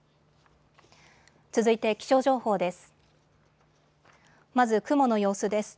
続いて気象情報です。